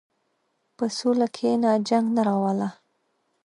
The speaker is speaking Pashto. په سوله کښېنه، جنګ نه راوله.